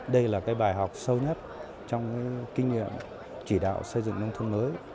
đây là bài học sâu nhất trong kinh nghiệm chỉ đạo xây dựng nông thôn mới